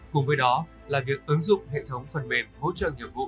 cùng với đó là việc ứng dụng hệ thống phần mềm hỗ trợ nghiệp vụ